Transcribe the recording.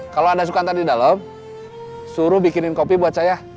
kalau ada sukantan di dalam suruh bikinin kopi buat saya